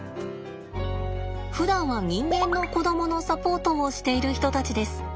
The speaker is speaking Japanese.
ふだんは人間の子供のサポートをしている人たちです。